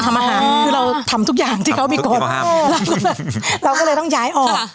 ทำอาหารคือเราทำทุกอย่างที่เขามีกฎเราก็เลยต้องย้ายออก